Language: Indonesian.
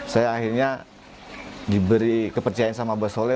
saya akhirnya diberi kepercayaan sama abu' soleh untuk